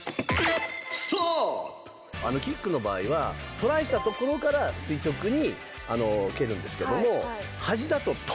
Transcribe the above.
キックの場合はトライしたところから垂直にけるんですけれども。